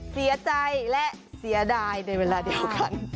เสียใจและเสียดายในเวลาเดียวกัน